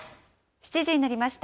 ７時になりました。